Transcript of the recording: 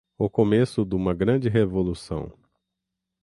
o começo duma grande revolução